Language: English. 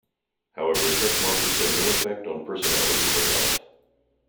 However, such markings have no effect on personality or health.